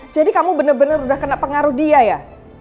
jadi kamu bener bener udah kena pengaruh dia ya